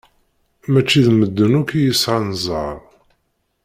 Mačči d medden akk i yesɛan zzher.